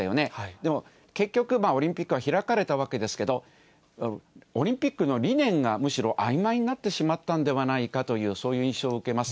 でも結局、オリンピックは開かれたわけですけど、オリンピックの理念がむしろ、あいまいになってしまったのではないかという、そういう印象を受けます。